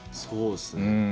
そうですね。